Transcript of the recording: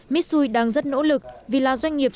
mitsui đang rất nỗ lực vì là doanh nghiệp